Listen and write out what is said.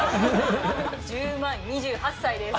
１０万２８歳です。